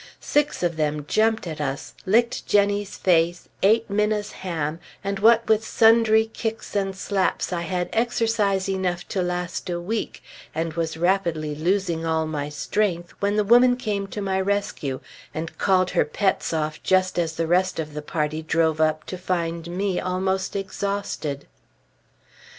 Six of them jumped at us, licked Jenny's face, eat Minna's ham, and what with sundry kicks and slaps I had exercise enough to last a week, and was rapidly losing all my strength, when the woman came to my rescue and called her pets off just as the rest of the party drove up to find me almost exhausted.